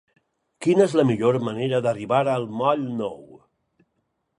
Quina és la millor manera d'arribar al moll Nou?